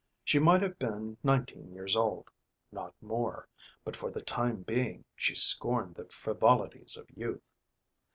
She might have been nineteen years old, not more, but for the time being she scorned the frivolities of youth.